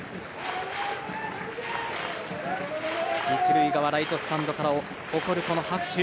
１塁側ライトスタンドから起こる拍手。